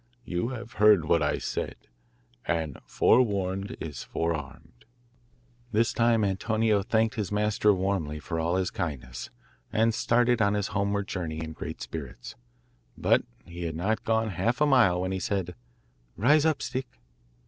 You have heard what I said, and forewarned is forearmed.' This time Antonio thanked his master warmly for all his kindness, and started on his homeward journey in great spirits; but he had not gone half a mile when he said 'Rise up, Stick.